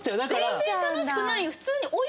全然楽しくないよ！